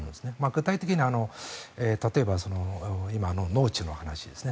具体的には例えば、今、農地の話ですね